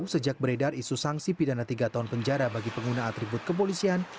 sejak beredar isu sanksi pidana tiga tahun penjara bagi pengguna atribut kepolisian